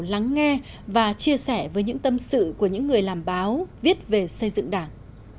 lắng nghe và chia sẻ với những tâm sự của những người làm báo viết về xây dựng đảng